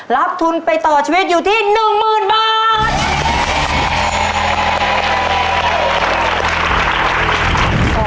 รับทุนไปต่อชีวิตอยู่ที่๑๐๐๐บาท